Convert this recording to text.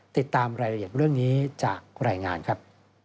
ติดตามรายละเอียดเรื่องนี้จากรายงานครับ